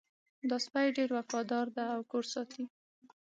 دا سپی ډېر وفادار ده او کور ساتي